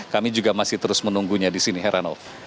kami juga masih terus menunggunya di sini heranov